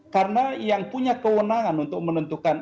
karena yang punya kewenangan untuk menentukan